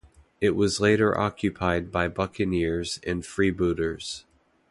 It was later occupied by buccaneers and freebooters.